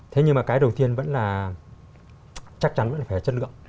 thế nhưng mà cái đầu tiên vẫn là chắc chắn vẫn là phải chất lượng